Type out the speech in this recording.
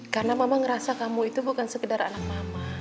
karena mama ngerasa kamu itu bukan sekedar anak mama